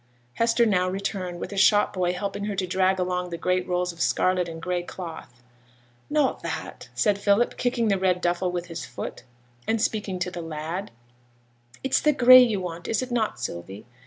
Hester now returned, with a shop boy helping her to drag along the great rolls of scarlet and gray cloth. 'Not that,' said Philip, kicking the red duffle with his foot, and speaking to the lad. 'It's the gray you want, is it not, Sylvie?'